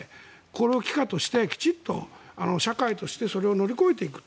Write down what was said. これを奇貨としてきちっと社会としてそれを乗り越えていく。